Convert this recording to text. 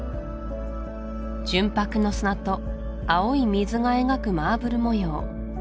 純白の砂と青い水が描くマーブル模様